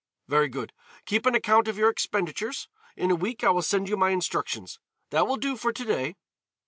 Very good, keep an account of your expenditures. In a week I will send you my instructions. That will do for to day."